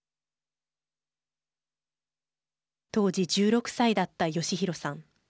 当時１６歳だった剛丈さん。